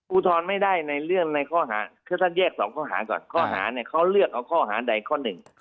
อุทธรณ์ไม่ได้ในเรื่องในข้อหาคือท่านแยก๒ข้อหาก่อนข้อหาเนี่ยเขาเลือกเอาข้อหาใดข้อหนึ่ง